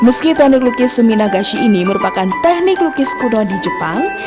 meski teknik lukis suminagashi ini merupakan teknik lukis kuno di jepang